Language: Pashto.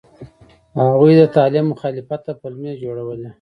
هغوی د تعلیم مخالفت ته پلمې جوړولې.